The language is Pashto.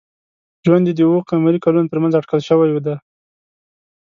ژوند یې د اوه ق کلونو تر منځ اټکل شوی دی.